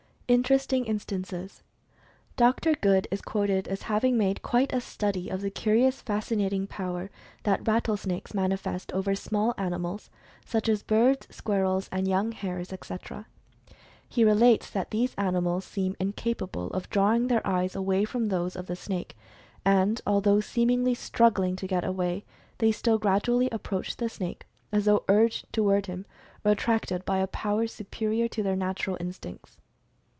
INTERESTING INSTANCES. Dr. Good is quoted as having made quite a study of the curious fascinating power that rattlesnakes mani fest over small animals, such as birds, squirrels, young hares, etc. He relates that these animals seem incap able of drawing their eyes away from those of the snake, and, although seemingly struggling to get away, they still gradually approach the snake, as though urged toward him, or attracted by a power superior to their natural instincts.